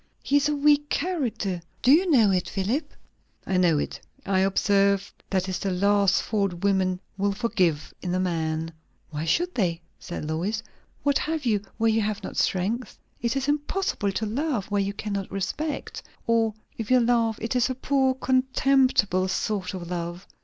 He is a weak character; do you know it, Philip?" "I know it. I observe, that is the last fault women will forgive in a man." "Why should they?" said Lois. "What have you, where you have not strength? It is impossible to love where you cannot respect. Or if you love, it is a poor contemptible sort of love."